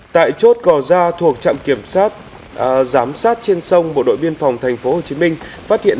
tại chốt gò gia thuộc trạm kiểm sát giám sát trên sông bộ đội biên phòng tp hcm phát hiện